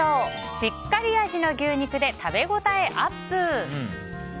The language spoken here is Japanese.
しっかり味の牛肉で食べ応えアップ！